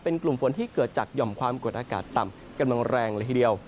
เป็นกลุ่มฝนที่เกิดจากหย่อมความกดอากาศต่ำกำลังแรงเลยทีเดียว